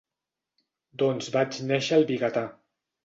Doncs vaig néixer al Vigatà.